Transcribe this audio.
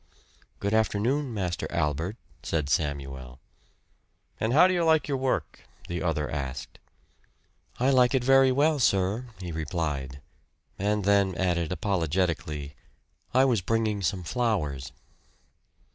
"Good afternoon, Master Albert," said Samuel. "And how do you like your work?" the other asked. "I like it very well, sir," he replied; and then added apologetically, "I was bringing some flowers."